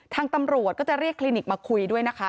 ทางตำรวจก็จะเรียกคลินิกมาคุยด้วยนะคะ